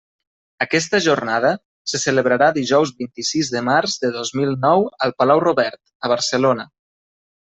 Aquesta Jornada se celebrarà dijous vint-i-sis de març del dos mil nou al Palau Robert, a Barcelona.